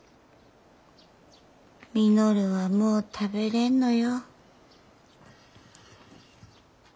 稔はもう食べれんのよ。